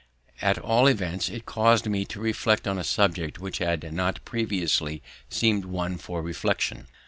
At all events it caused me to reflect on a subject which had not previously seemed one for reflection.